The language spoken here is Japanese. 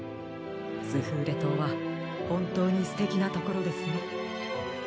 スフーレ島はほんとうにすてきなところですね。